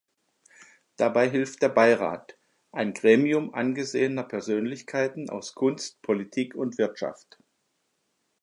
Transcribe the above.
Dabei hilft der Beirat, ein Gremium angesehener Persönlichkeiten aus Kunst, Politik und Wirtschaft.